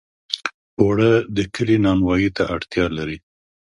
اوړه د کلي نانوایۍ ته اړتیا لري